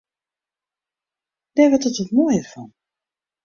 Dêr wurdt it wat moaier fan.